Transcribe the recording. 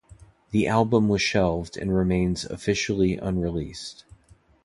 The album was shelved and remains officially unreleased.